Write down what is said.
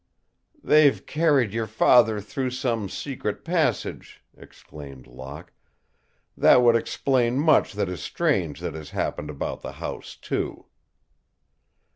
"They've carried your father through some secret passage," exclaimed Locke. "That would explain much that is strange that has happened about the house, too."